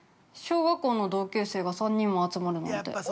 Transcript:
小学校の同級生が３人も集まるなんて。